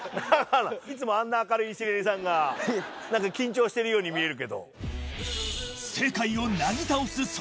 いつもあんな明るいイシレリさんが何か緊張してるように見えるけど。